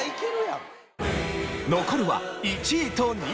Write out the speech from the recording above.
残るは１位と２位。